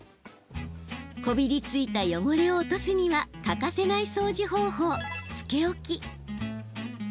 こびりついた汚れを落とすには欠かせない掃除方法、つけ置き。